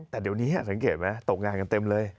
แต่เดี๋ยวนี้สังเกตไหมตกงานกันเต็มเลย